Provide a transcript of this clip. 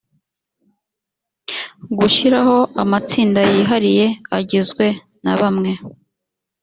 gushyiraho amatsinda yihariye agizwe na bamwe